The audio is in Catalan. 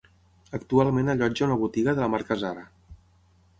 Actualment allotja una botiga de la marca Zara.